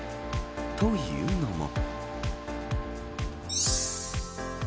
というのも。